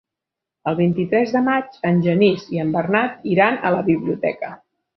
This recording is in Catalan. El vint-i-tres de maig en Genís i en Bernat iran a la biblioteca.